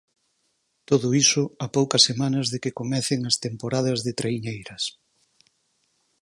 Todo iso a poucas semanas de que comecen as temporadas de traiñeiras.